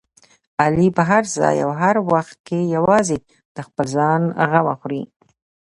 علي په هر ځای او هر وخت کې یوازې د خپل ځان غمه خوري.